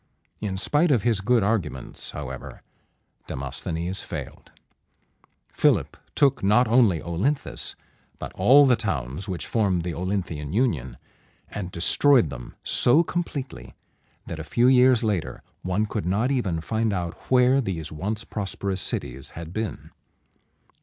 In spite of his good arguments, however, Demosthenes failed. [Illustration: Demosthenes.] Philip took not only O lyn´thus, but all the towns which formed the Olynthian union, and destroyed them so completely that a few years later one could not even find out where these once prosperous cities had been.